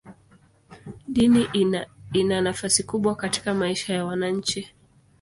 Dini ina nafasi kubwa katika maisha ya wananchi.